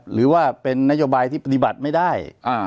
หรือว่าเป็นนโยบายที่ปฏิบัติไม่ได้